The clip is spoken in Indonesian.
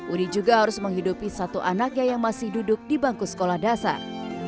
udi juga harus menghidupi satu anaknya yang masih duduk di bangku sekolah dasar